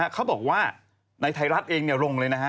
เขาบอกว่าในไทรัฐเองลงเลย